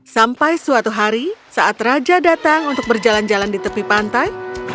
sampai suatu hari saat raja datang untuk berjalan jalan di tepi pantai